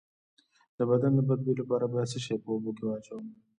د بدن د بد بوی لپاره باید څه شی په اوبو کې واچوم؟